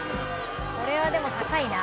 これはでも高いな。